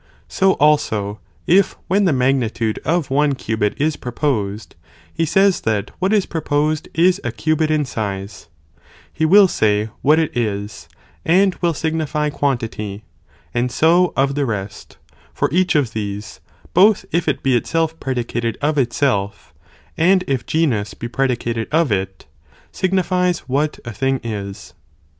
So also, if when the magnitude of one cubit is proposed, he says that what is proposed is a cubit in size, he will say what it is, and will signify quantity, and so of the rest, for each of these, both if it be itself predicated of itself,t + when def and if genus (be predicated) of it, signifies what mition is attri a thing is.